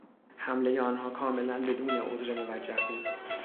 حملهی آنها کاملا بدون عذر موجه بود.